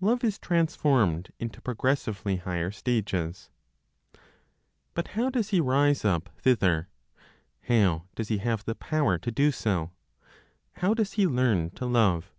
LOVE IS TRANSFORMED INTO PROGRESSIVELY HIGHER STAGES. But how does he rise up thither? How does he have the power to do so? How does he learn to love?